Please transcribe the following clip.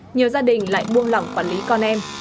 nhiều gia đình lại buông lỏng quản lý con em